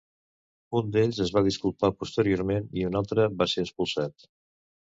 Un d'ells es va disculpar posteriorment i un altre va ser expulsat.